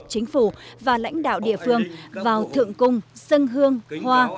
chính phủ và lãnh đạo địa phương vào thượng cung sân hương hoa